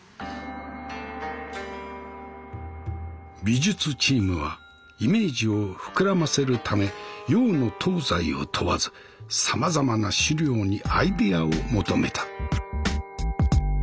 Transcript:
美術チームはイメージを膨らませるため洋の東西を問わずさまざまな資料にアイデアを求めた。